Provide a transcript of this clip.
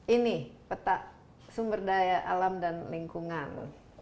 ini peta sumber daya alam dan lingkungan